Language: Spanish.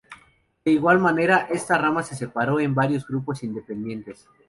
De igual manera, esta rama se separó en varios grupos independientes.